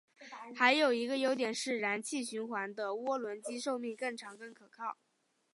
还有一个优点是燃气循环的涡轮机寿命更长更可靠。